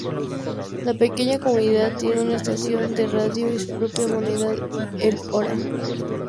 La pequeña comunidad tiene una estación de radio y su propia moneda, el Ora.